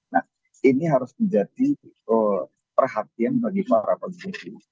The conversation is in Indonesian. nah ini harus menjadi perhatian bagi para pengungsi